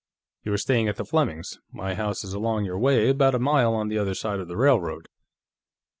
You're staying at the Flemings'; my house is along your way, about a mile on the other side of the railroad."